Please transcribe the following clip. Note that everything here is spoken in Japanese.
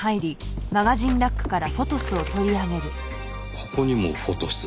ここにも『フォトス』。